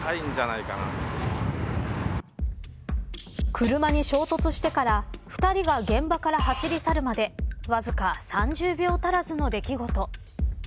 車に衝突してから２人が現場から走り去るまでわずか３０秒足らずの出来事。